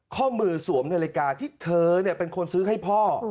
ข้อมือสวมนาฬิกาที่เธอเป็นคนซื้อให้พ่อ